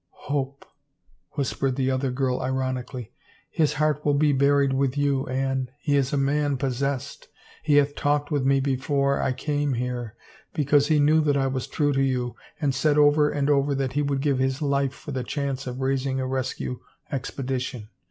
" Hope," whispered the other girl ironically. " His heart will be buried with you, Anne. He is a man pos sessed. He hath talked with me before I came here, because he knew that I was true to you, and said over and over that he would give his life for the chance of raising a rescue expedition.